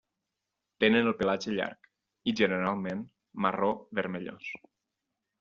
Tenen el pelatge llarg i generalment marró vermellós.